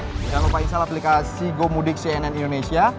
jangan lupa install aplikasi gomudik cnn indonesia